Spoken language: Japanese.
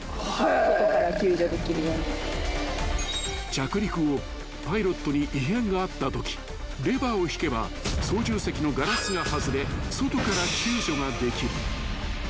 ［着陸後パイロットに異変があったときレバーを引けば操縦席のガラスが外れ外から救助ができる］